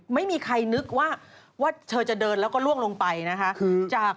ไม่มีใครนึกว่าเธอจะเดินแล้วก็ล่วงลงไปนะคะ